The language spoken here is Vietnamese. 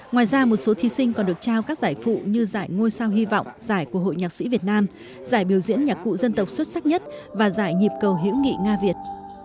ngoài ra một số thí sinh còn được trao các giải phụ như giải ngôi sao hy vọng giải của hội nhạc sĩ việt nam giải biểu diễn nhạc cụ dân tộc xuất sắc nhất và giải nhịp cầu hữu nghị nga việt